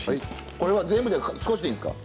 これは全部じゃなくて少しでいいんですか？